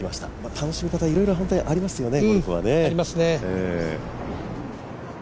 楽しみ方、本当にいろいろありますよね。